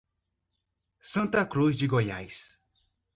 Santa Cruz de Goiás